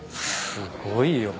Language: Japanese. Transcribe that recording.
すごいよ。